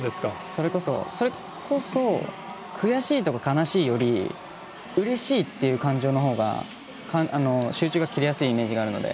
それこそ、悔しいとか悲しいよりうれしいっていう感情の方が集中が切れやすいイメージがあるので。